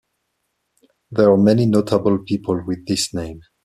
There are many notable people with this name.